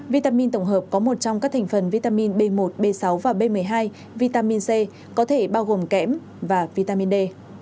vitamin tổng hợp có một trong các thành phần vitamin b một b sáu và b một mươi hai vitamin c có thể bao gồm kẽm và vitamin d